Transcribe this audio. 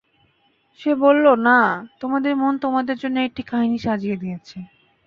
সে বলল, না, তোমাদের মন তোমাদের জন্যে একটি কাহিনী সাজিয়ে দিয়েছে।